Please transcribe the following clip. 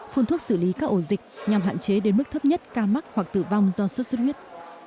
phun thuốc xử lý các ổ dịch nhằm hạn chế đến mức thấp nhất ca mắc hoặc tử vong do sốt xuất huyết